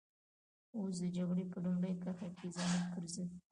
اوس د جګړې په لومړۍ کرښه کې زموږ پر ضد.